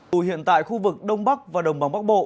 tù hiện tại khu vực đông bắc và đồng bằng bắc bộ